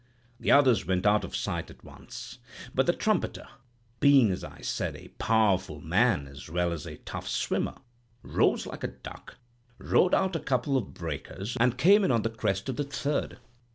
The others went out of sight at once, but the trumpeter—being, as I said, a powerful man as well as a tough swimmer—rose like a duck, rode out a couple of breakers, and came in on the crest of the third.